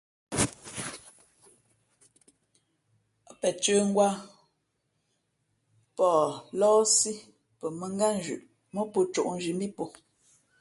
Ά pen cə̌ngwǎ, pαh lάάsí pα mᾱngátnzhʉʼ mά pō cōʼnzhi mbí pō.